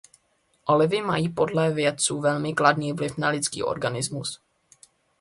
Olivy mají podle vědců velmi kladný vliv na lidský organismus.